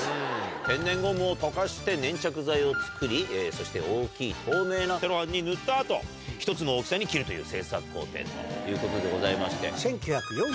天然ゴムを溶かして粘着剤を作りそして大きい透明なセロハンに塗った後１つの大きさに切るという製作工程ということで。